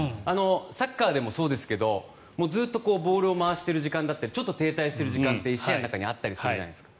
サッカーでもそうですがずっとボールを回してる時間ってちょっと停滞している時間って１試合の中にあったりするじゃないですか。